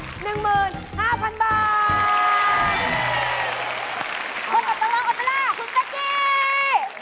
คนอับร้องอับร่าคุณตั๊กกี้